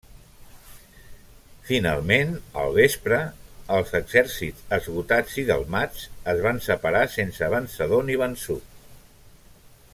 Finalment, al vespre, els exèrcits esgotats i delmats es van separar sense vencedor ni vençut.